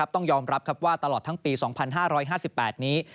ต้องยอมรับว่าตลอดทั้งปี๒๕๕๘นี้